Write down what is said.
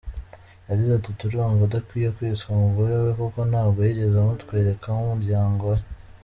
Yagize ati “…Turumva adakwiye kwitwa umugore we kuko ntabwo yigeze umutwereka nk’ umuryango we”.